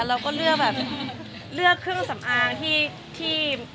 เราก็เลือกเครื่องสำอางที่